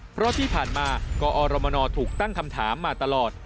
เพราะที่ผ่านมากอรมนถูกตั้งคำถามมาตลอด